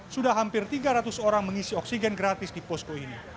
sudah hampir tiga ratus orang mengisi oksigen gratis di posko ini